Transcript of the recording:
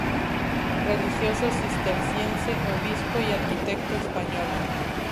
Religioso cisterciense, obispo y arquitecto español.